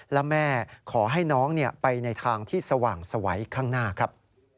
และแม่ขอให้น้องไปในทางที่สว่างสวัยข้างหน้าครับ